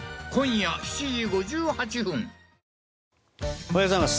おはようございます。